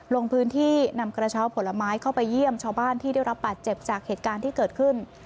ลงพื้นที่นำกระเช้าผลไม้เข้าไปเยี่ยมชาวบ้านที่ได้รับบาดเจ็บจากเหตุการณ์ที่เกิดขึ้น